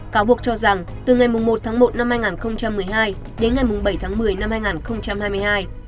cáo buộc cho rằng từ ngày một một hai nghìn một mươi hai đến ngày bảy một mươi hai nghìn hai mươi hai